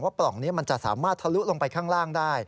ปล่องนี้มันจะสามารถทะลุลงไปข้างล่างได้